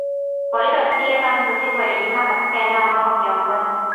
Polisi walipiga kambi usiku wa Ijumaa katika eneo ambako kiongozi